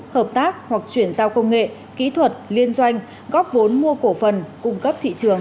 hợp tác hoặc chuyển giao công nghệ kỹ thuật liên doanh góp vốn mua cổ phần cung cấp thị trường